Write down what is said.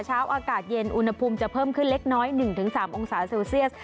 เช้าอากาศเย็นอุณหภูมิจะเพิ่มขึ้นเล็กน้อย๑๓องศาเซลเซียส